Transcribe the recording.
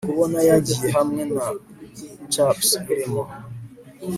kubona yagiye hamwe na chaps urimo